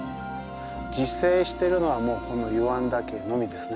自生してるのはもうこの湯湾岳のみですね。